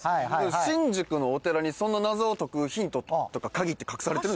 新宿のお寺にその謎を解くヒントとか鍵って隠されてるんですか？